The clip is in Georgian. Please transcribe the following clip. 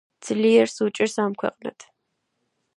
ძლიერს უფრო უჭირს ამქვეყნად.